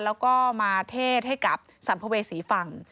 แล้วก็มาเทศให้กับสัมภเวษีฟัง